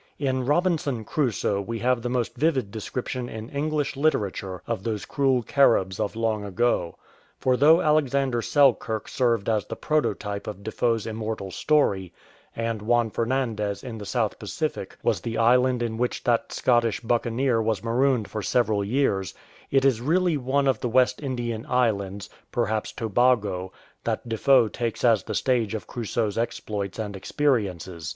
In Robinson Crusoe we have the most vivid description in English literature of those cruel Caribs of long ago. For though Alexander Selkirk served as the prototype of Defoe's immortal story, and Juan Fernandez in the South Pacific was the island in 227 THE WARAOONS OF THE OHINOCO which that Scottish buccaneer was marooned for several years, it is really one of the West Indian Islands, perhaps Tobago, that Defoe takes as the stage of Crusoe's exploits and experiences.